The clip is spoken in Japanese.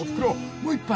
もう一杯］